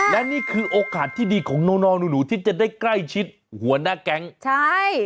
และนี่คือโอกาสที่ดีของน้องน้องหนูที่จะได้ใกล้ชิดหัวหน้าแก๊งใช่